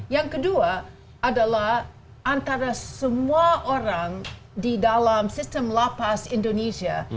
yang kedua adalah antara semua orang di dalam sistem lapas indonesia